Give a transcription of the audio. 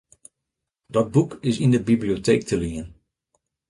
Dat boek is yn de biblioteek te lien.